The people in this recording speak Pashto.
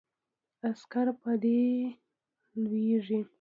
عسکر په دې لویږي.